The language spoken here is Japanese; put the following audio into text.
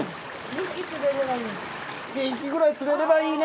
２匹くらい釣れればいいね！